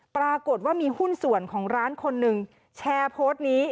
ปรากฏว่ามีหุ้นส่วนของร้านคนหนึ่งแชร์โพสต์นี้